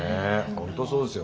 本当そうですよ。